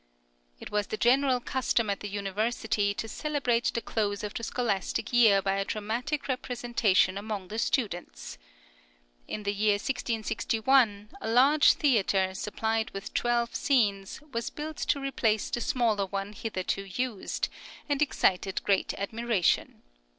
It was the general custom at the university to celebrate the close of the scholastic year by a dramatic representation {APOLLO ET HYACINTHUS.} (59) among the students. In the year 1661, a large theatre, supplied with twelve scenes, was built to replace the smaller one hitherto used, and excited great admiration.